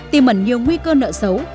tìm ẩn nhiều nguy cơ nợ xấu